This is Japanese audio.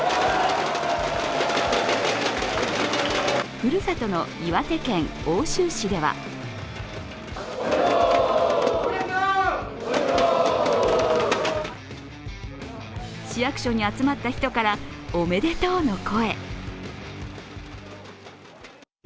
ふるさとの岩手県奥州市では市役所に集まった人からおめでとうの声。